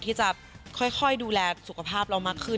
ที่จะค่อยดูแลสุขภาพเรามากขึ้น